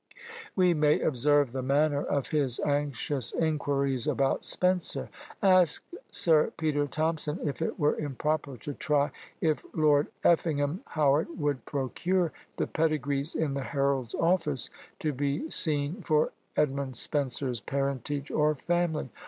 We may observe the manner of his anxious inquiries about Spenser: Ask Sir Peter Thompson if it were improper to try if Lord Effingham Howard would procure the pedigrees in the Herald's office, to be seen for Edmund Spenser's parentage or family?